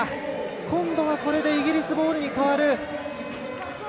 今度はこれでイギリスボールに変わる。